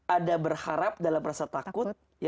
ada berharap dalam rasa takut